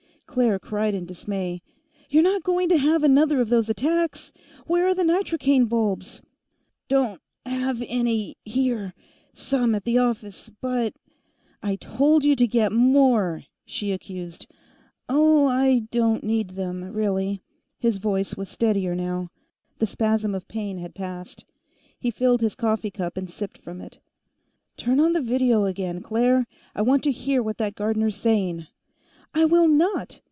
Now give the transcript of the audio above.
Claire cried in dismay: "You're not going to have another of those attacks? Where are the nitrocaine bulbs?" "Don't ... have any ... here. Some at the office, but " "I told you to get more," she accused. "Oh, I don't need them, really." His voice was steadier, now; the spasm of pain had passed. He filled his coffee cup and sipped from it. "Turn on the video again, Claire. I want to hear what that Gardner's saying." "I will not!